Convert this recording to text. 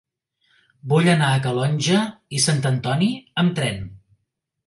Vull anar a Calonge i Sant Antoni amb tren.